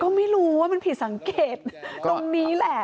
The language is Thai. ก็ไม่รู้ว่ามันผิดสังเกตตรงนี้แหละ